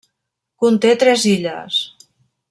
Conté tres illes.